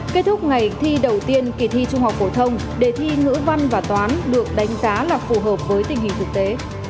kết thúc ngày thi đầu tiên kỳ thi trung học phổ thông đề thi ngữ văn và toán được đánh giá là phù hợp với tình hình thực tế